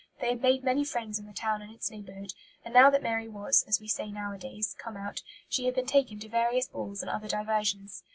They had made many friends in the town and its neighbourhood; and now that Mary was, as we say nowadays, "come out," she had been taken to various balls and other diversions.